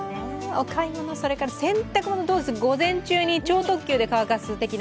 お買い物、それから洗濯物午前中に超特急で乾かす的な。